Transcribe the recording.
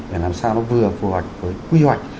để làm sao nó vừa phù hợp với quy hoạch